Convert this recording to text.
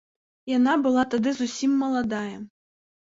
Яна была тады зусім маладая.